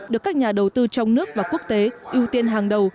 được các nhà đầu tư trong nước và quốc tế ưu tiên hàng đầu